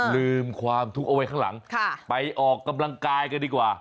ลืมความทุกข์เอาไว้ข้างหลังไปออกกำลังกายกันดีกว่า